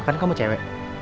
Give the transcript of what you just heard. bahkan kamu cewek